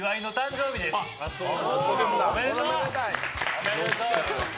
おめでとう！